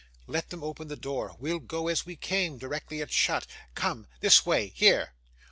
'Let them open the door. We'll go, as we came, directly it's shut. Come. This way. Here.